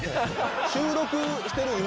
収録してる今？